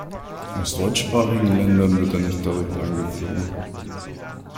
Aus deutschsprachigen Ländern wird er nicht direkt angeflogen.